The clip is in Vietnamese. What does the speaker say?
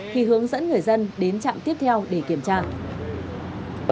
thì hướng dẫn người dân đến trạm tiếp theo để kiểm tra